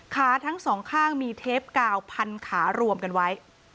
ขาทั้งสองข้างมีเทปกาวพันขารวมกันไว้